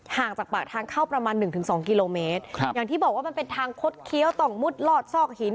ห่างจากปากทางเข้าประมาณหนึ่งถึงสองกิโลเมตรครับอย่างที่บอกว่ามันเป็นทางคดเคี้ยวต้องมุดลอดซอกหิน